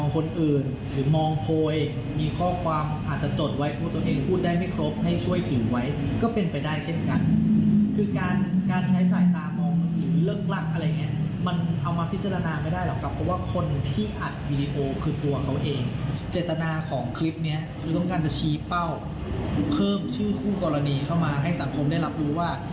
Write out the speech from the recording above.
เพิ่มชื่อคู่กรณีเข้ามาให้สังคมได้รับรู้ว่า